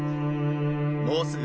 もうすぐ